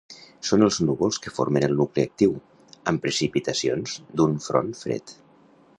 Són els núvols que formen el nucli actiu, amb precipitacions, d'un front fred.